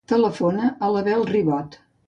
Telefona a l'Abel Ribot.